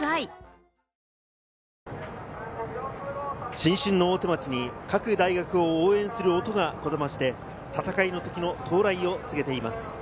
新春の大手町に各大学を応援する音がこだまして、戦いの時の到来を告げています。